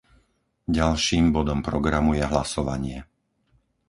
Ďalším bodom programu je hlasovanie.